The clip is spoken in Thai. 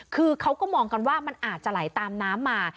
คือเขาก็มองกันว่ามันอาจจะไหลตามน้ำมา